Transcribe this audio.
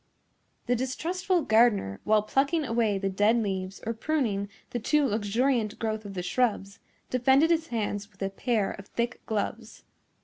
The distrustful gardener, while plucking away the dead leaves or pruning the too luxuriant growth of the shrubs, defended his hands with a pair of thick gloves.